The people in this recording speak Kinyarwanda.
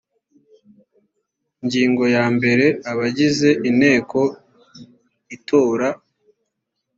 ingingo ya mbere abagize inteko itora